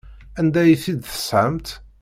Anda ay t-id-tesɣamt?